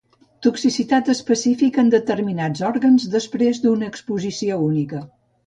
Toxicitat específica en determinats òrgans després d'una exposició única.